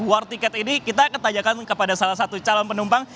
proses war tiket ini kita ketajakan kepada salah satu calon penumpang